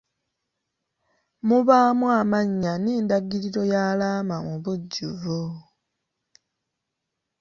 Mubaamu amannya n'endagiriro y'alaama mu bujjuvu.